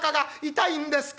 『痛いんですか？』。